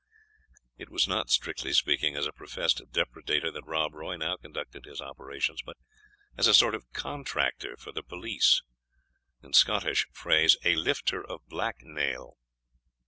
It was not, strictly speaking, as a professed depredator that Rob Roy now conducted his operations, but as a sort of contractor for the police; in Scottish phrase, a lifter of black mail.